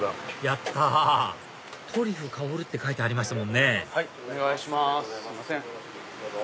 やったトリュフ香るって書いてありましたもんねどうぞ。